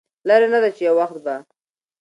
لرې نه ده چې يو وخت به